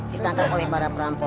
ditangkap oleh para perampok